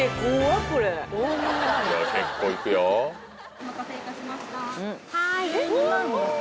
お待たせいたしました。